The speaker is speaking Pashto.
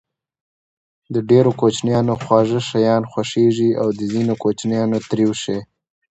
د ډېرو کوچنيانو خواږه شيان خوښېږي او د ځينو کوچنيانو تريؤ شی.